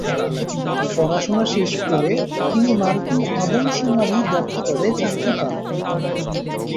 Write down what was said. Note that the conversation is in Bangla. পড়াশোনা শেষ করে তিনি মার্কিন আদম শুমারি দফতরে চাকরি পান।